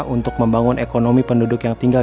untuk membangun ekonomi penduduk yang tinggal